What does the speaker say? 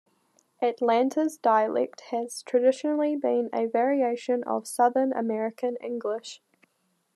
Atlanta's dialect has traditionally been a variation of Southern American English.